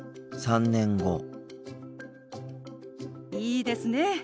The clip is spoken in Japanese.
いいですね。